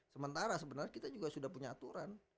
sementara sebenarnya kita juga sudah punya aturan